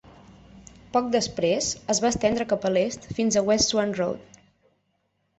Poc després, es va estendre cap a l'est fins a West Swan Road.